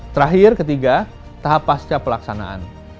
terakhir ketiga tahap pasca pelaksanaan